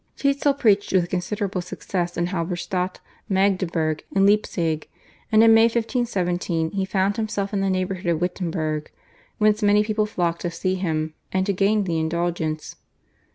Tetzel preached with considerable success in Halberstadt, Magdeburg and Leipzig, and in May 1517 he found himself in the neighbourhood of Wittenberg, whence many people flocked to see him, and to gain the Indulgence.